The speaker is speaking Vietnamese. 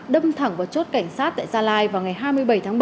đâm thẳng vào chốt cảnh sát tại gia lai vào ngày hai mươi bảy tháng bảy